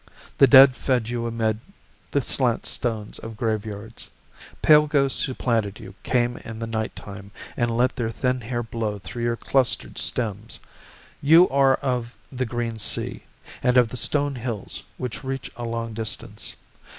The dead fed you Amid the slant stones of graveyards. Pale ghosts who planted you Came in the night time And let their thin hair blow through your clustered stems. You are of the green sea, And of the stone hills which reach a long distance.